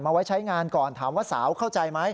ไว้ใช้งานก่อนถามว่าสาวเข้าใจไหม